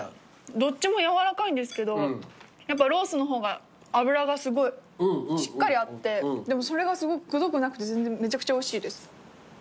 どっちも軟らかいんですけどやっぱロースの方が脂がすごいしっかりあってでもそれがすごくくどくなくて全然めちゃくちゃおいしいです。